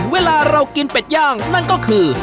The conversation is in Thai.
เวลาเรากินเป็ดย่างนั่นก็คือ